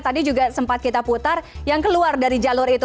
tadi juga sempat kita putar yang keluar dari jalur itu